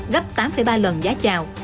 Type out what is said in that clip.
gấp tám ba lần giá trào